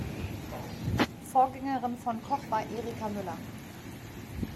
Vorgängerin von Koch war Erika Müller.